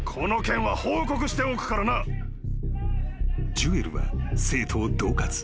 ［ジュエルは生徒をどう喝］